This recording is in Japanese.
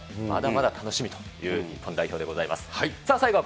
まだまだ楽しみという日本代表でございます。